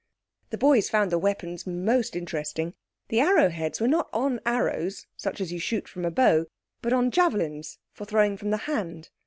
The boys found the weapons most interesting. The arrow heads were not on arrows such as you shoot from a bow, but on javelins, for throwing from the hand.